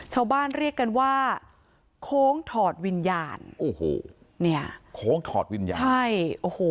ชาวบ้านเรียกกันว่าโค้งถอดวิญญาณโอ้โหเนี่ยโค้งถอดวิญญาณใช่โอ้โห